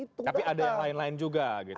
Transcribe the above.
tapi ada yang lain lain juga